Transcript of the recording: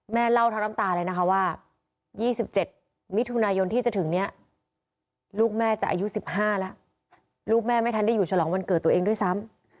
เล่าทั้งน้ำตาเลยนะคะว่า๒๗มิถุนายนที่จะถึงเนี่ยลูกแม่จะอายุ๑๕แล้วลูกแม่ไม่ทันได้อยู่ฉลองวันเกิดตัวเองด้วยซ้ำ